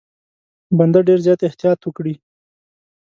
بنده ډېر زیات احتیاط وکړي.